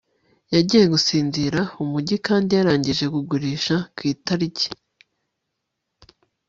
yagiye gusinzira umujyi kandi yarangije kugurisha ku itariki